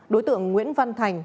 đối tượng nguyễn văn thành